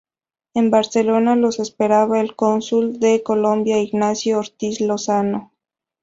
En Barcelona los esperaba el cónsul de Colombia Ignacio Ortiz Lozano.